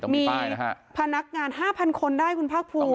มีต้องมีป้ายนะฮะมีพนักงานห้าพันคนได้คุณภาคภูมิ